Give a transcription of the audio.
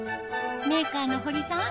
メーカーの堀さん